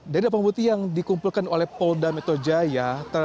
dari barang bukti yang dikumpulkan oleh pol depok jaya